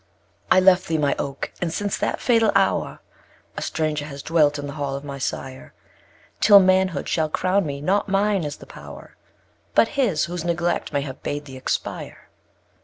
3. I left thee, my Oak, and, since that fatal hour, A stranger has dwelt in the hall of my Sire; Till Manhood shall crown me, not mine is the power, But his, whose neglect may have bade thee expire.